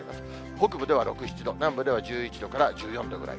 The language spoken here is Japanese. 北部では６、７度、南部では１１度から１４度ぐらい。